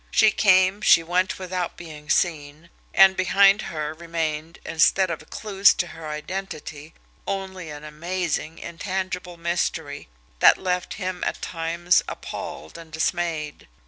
She came, she went without being seen and behind her remained, instead of clews to her identity, only an amazing, intangible mystery, that left him at times appalled and dismayed.